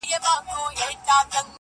خلک يوازي بقا غواړي دلته,